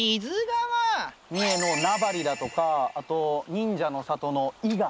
三重の名張だとかあと忍者の里の伊賀。